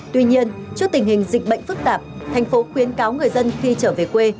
tuy nhiên trước tình hình dịch bệnh phức tạp thành phố khuyến cáo người dân khi trở về quê